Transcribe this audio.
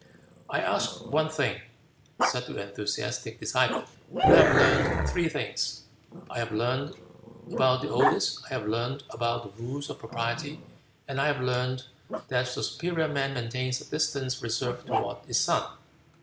'" "I asked one thing," said the enthusiastic disciple, "and I have learned three things. I have learned about the Odes; I have learned about the rules of Propriety; and I have learned that the superior man maintains a distant reserve toward his son."